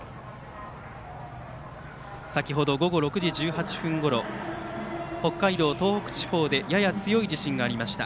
先程午後６時１８分ごろ北海道、東北地方でやや強い地震がありました。